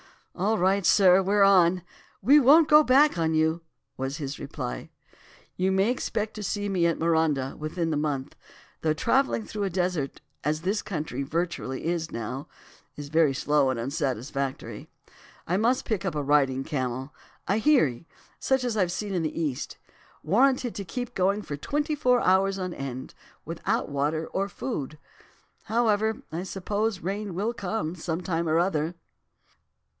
"'All right, sir; we're on. We won't go back on you,' was his reply. "'You may expect to see me at Marondah, within the month, though travelling through a desert, as this country is virtually now, is very slow and unsatisfactory. I must pick up a riding camel, a "heirie," such as I've seen in the East, warranted to keep going for twenty four hours on end, without water or food. However, I suppose rain will come some time or other.